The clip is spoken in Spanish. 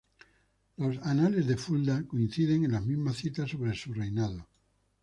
Los "anales de Fulda" coinciden en las mismas citas sobre su reinado.